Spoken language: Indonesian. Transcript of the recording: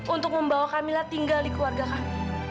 untuk membawa kamilah tinggal di keluarga kami